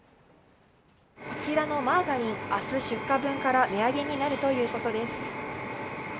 こちらのマーガリン、あす出荷分から値上げになるということです。